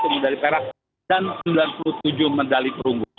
satu medali perak dan sembilan puluh tujuh medali perunggu